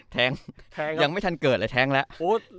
ยังไม่ทันเกิดเลยแท้งแล้ว